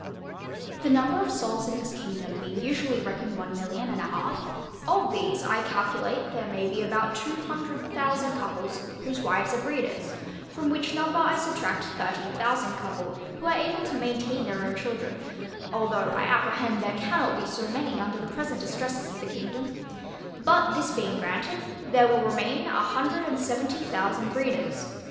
The number of souls in this kingdom being usually reckoned one million and a half, of these I calculate there may be about two hundred thousand couple, whose wives are breeders; from which number I subtract thirty thousand couple, who are able to maintain their own children, (although I apprehend there cannot be so many under the present distresses of the kingdom) but this being granted, there will remain a hundred and seventy thousand breeders.